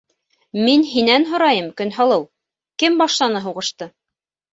Мин һинән һорайым, Көнһылыу: кем башланы һуғышты?